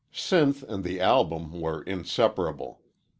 Sinth and the album were inseparable.